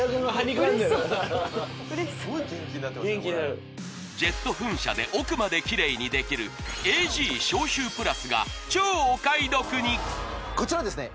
これ元気になるジェット噴射で奥までキレイにできるＡｇ消臭プラスが超お買い得にこちらですね